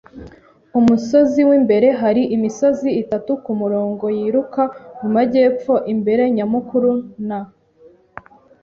Umusozi w'imbere; hari imisozi itatu kumurongo yiruka mu majyepfo - imbere, nyamukuru, na